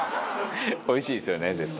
おいしいですよね絶対。